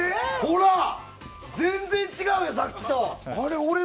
全然違うよ、さっきと！